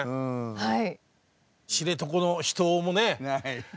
はい。